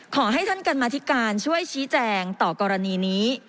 ขอให้ท่านกรรมธิการช่วยชี้แจงต่อกรณีนี้